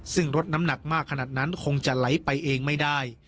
ซึ่งรถน้ำหนักมากขนาดนั้นคงจะไหลไปเองไม่ได้